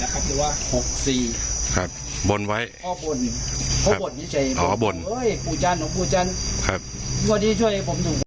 ครับผมจะไปมีบลบลกปู่จันทร์ไปช่วยน้องชมพู